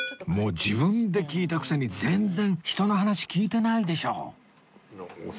もう自分で聞いたくせに全然人の話聞いてないでしょ